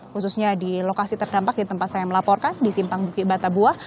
khususnya di lokasi terdampak di tempat saya melaporkan di simpang bukit batabuah